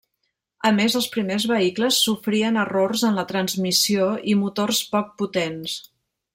A més, els primers vehicles sofrien errors en la transmissió i motors poc potents.